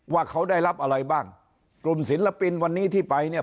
ว่าเขาได้รับอะไรบ้างกลุ่มศิลปินวันนี้ที่ไปเนี่ย